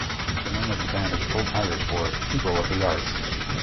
The name of the band is Old Irish for "people of the arts".